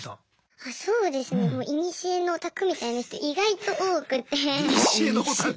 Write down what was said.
あそうですねいにしえのオタクみたいな人意外と多くて。